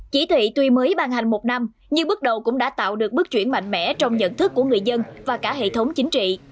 chỉ thị tuy mới bàn hành một năm nhưng bước đầu cũng đã tạo được bước chuyển mạnh mẽ trong nhận thức của người dân và cả hệ thống chính trị